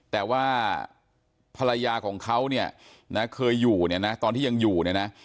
แต่ว่าภรรยาของเขาเนี่ยนะเคยอยู่เนี่ยนะตอนที่ยังอยู่เนี่ยนะ